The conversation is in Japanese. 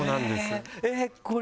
えっこれ。